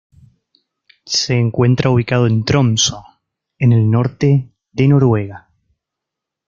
Se encuentra ubicado en Tromsø, en el norte de Noruega.